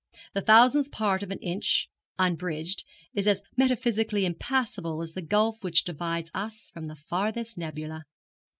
The thousandth part of an inch, unbridged, is as metaphysically impassable as the gulf which divides us from the farthest nebula.